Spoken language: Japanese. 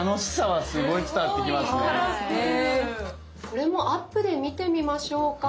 これもアップで見てみましょうか。